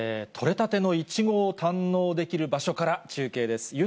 取れたてのいちごを堪能できる場所から中継です。